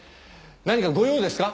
何かご用ですか？